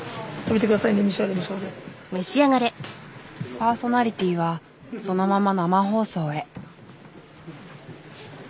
パーソナリティーはそのまま生放送へ。